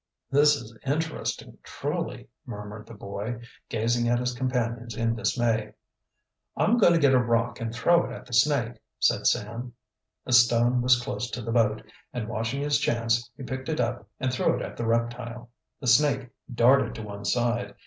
"This is interesting truly," murmured the boy, gazing at his companions in dismay. "I'm going to get a rock and throw it at the snake," said Sam. A stone was close to the boat, and watching his chance, he picked it up and threw it at the reptile. The snake darted to one side.